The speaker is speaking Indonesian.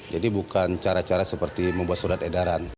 jadi bukan cara cara seperti membuat surat edaran